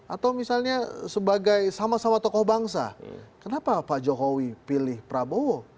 atau misalnya sebagai sama sama tokoh bangsa kenapa pak jokowi pilih prabowo